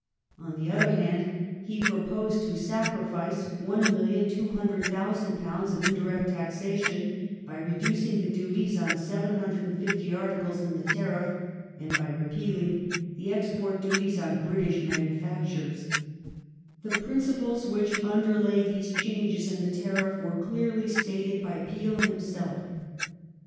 On the other hand he proposed to sacrifice £1,200,000 of indirect taxation by reducing the duties on 750 articles in the tariff, and by repealing the ex port duties on British manufactures. The principles which under lay these changes in the tariff were clearly stated by Peel himself.